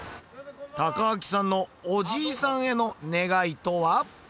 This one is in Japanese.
たかあきさんのおじいさんへの願いとは？